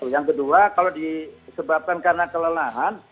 yang kedua kalau disebabkan karena kelelahan